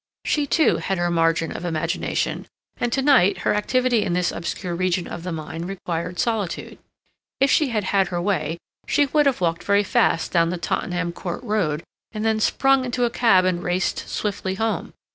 She, too, had her margin of imagination, and to night her activity in this obscure region of the mind required solitude. If she had had her way, she would have walked very fast down the Tottenham Court Road, and then sprung into a cab and raced swiftly home.